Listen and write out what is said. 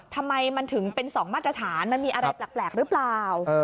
ทำไมมันถึงเป็น๒มาตรฐานมันมีอะไรแปลกหรือเปล่า